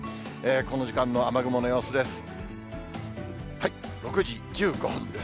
この時間の雨雲の様子です。